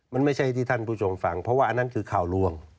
มันไม่ใช่ที่ท่านผู้ชมฟังเพราะว่าอันนั้นคือข่าวล่วง